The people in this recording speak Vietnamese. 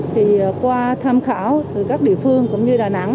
thì qua tham khảo từ các địa phương cũng như đà nẵng